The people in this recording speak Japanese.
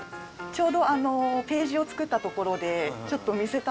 ちょうどページを作ったところでちょっと見せたくて。